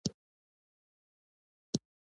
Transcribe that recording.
احمد د ژوند ټول درسونه له خپل پلار څخه اخیستي دي.